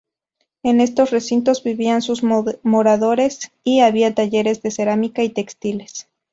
En estos recintos vivían sus moradores y había talleres de cerámica y textiles.